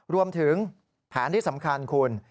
รวมถึงแผนที่สำคัญคุณ